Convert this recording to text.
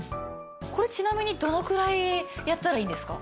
これちなみにどのくらいやったらいいんですか？